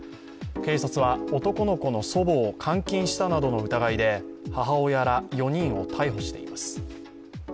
警察は、男の子の祖母を監禁したなどの疑いで母親ら４人を逮捕しています。